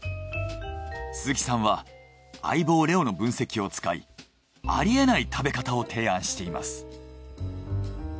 鈴木さんは相棒レオの分析を使いあり得ない食べ方を提案しています。